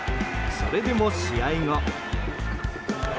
それでも試合後。